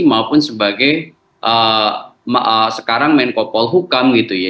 maupun sebagai sekarang menkopol hukum gitu ya